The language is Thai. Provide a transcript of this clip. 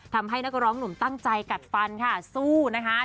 ทำให้นักร้องหนุ่มตั้งใจกัดฟันค่ะสู้นะคะ